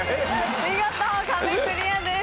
見事壁クリアです。